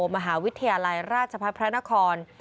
มหาวิทยาลัยราชพัฒน์พระนคร